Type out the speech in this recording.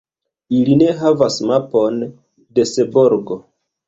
Ili ne havas mapon de Seborgo.